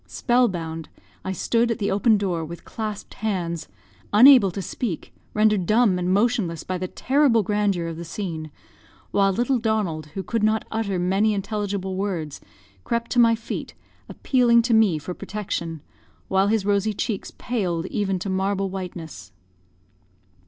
Spell bound, I stood at the open door, with clasped hands, unable to speak, rendered dumb and motionless by the terrible grandeur of the scene; while little Donald, who could not utter many intelligible words, crept to my feet, appealing to me for protection, while his rosy cheeks paled even to marble whiteness.